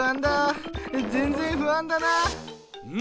全然不安だな。